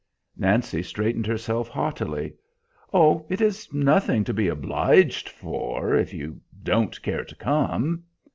Nancy straightened herself haughtily. "Oh, it is nothing to be obliged for, if you don't care to come."